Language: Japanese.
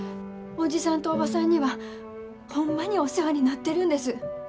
おじさんとおばさんにはホンマにお世話になってるんです。